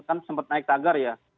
kan sempat naik tagar ya